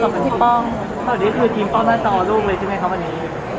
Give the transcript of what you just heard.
ตอนนี้คือทีมป้องหน้าต่อลูกเลยใช่ไหมครับวันนี้